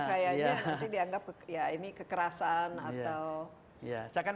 kayaknya nanti dianggap ya ini kekerasan atau